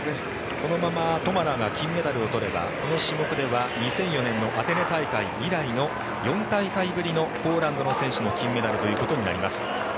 このままトマラが金メダルを取ればこの種目では２００４年のアテネ大会以来の４大会ぶりのポーランドの選手の金メダルということになります。